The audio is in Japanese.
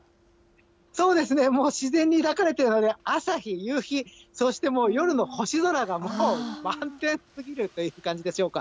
そうですね、もう自然に抱かれてるので、朝日、夕日、そしてもう、夜の星空が満天すぎるという感じでしょうか。